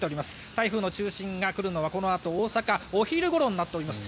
台風の中心が来るのはこのあと大阪お昼ごろとなります。